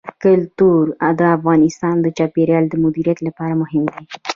کلتور د افغانستان د چاپیریال د مدیریت لپاره مهم دي.